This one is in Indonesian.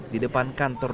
di depan kantor